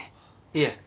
いえ。